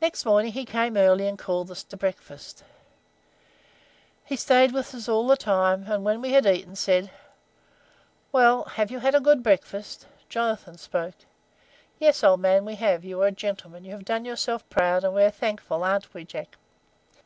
Next morning he came early and called us to breakfast. He stayed with us all the time, and when we had eaten, said: "'Well, have you had a good breakfast?' "Jonathan spoke: "'Yes, old man, we have. You are a gentleman; you have done yourself proud, and we are thankful, ain't we, Jack?